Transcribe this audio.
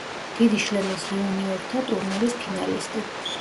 დიდი შლემის იუნიორთა ტურნირის ფინალისტი.